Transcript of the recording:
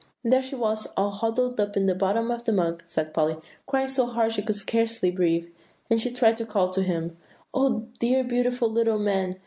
"And there she was all huddled up in the bottom of the mug," said Polly; "crying so hard she could scarcely breathe; and she tried to call back to him 'Oh, dear, beautiful little man!